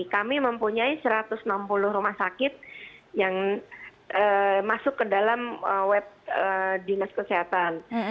kami mempunyai satu ratus enam puluh rumah sakit yang masuk ke dalam web dinas kesehatan